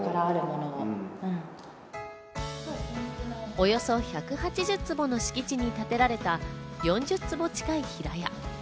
およそ１８０坪の敷地に建てられた４０坪近い平屋。